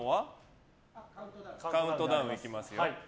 カウントダウンいきますよ。